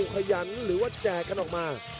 ขยันหรือว่าแจกกันออกมา